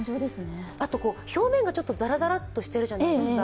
あと表面がちょっとザラザラとしているじゃないですか。